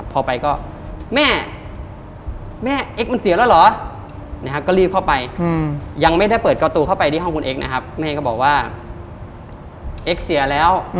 พอไปก็แม่แม่เอกมันเสียแล้วเหรอ